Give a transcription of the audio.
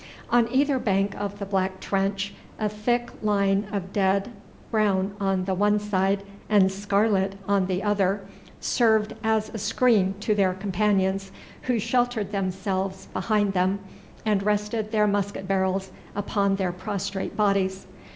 On either bank of the black trench a thick line of dead, brown on the one side, and scarlet on the other, served as a screen to their companions, who sheltered themselves behind them and rested their musket barrels upon their prostrate bodies.